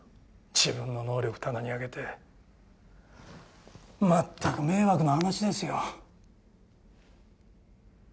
自分の能力棚に上げてまったく迷惑な話ですよ。